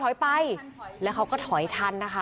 ไปแล้วเขาก็ถอยทันนะคะ